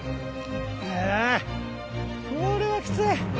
あぁ！これはきつい！